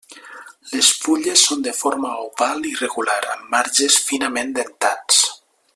Les fulles són de forma oval i regular amb marges finament dentats.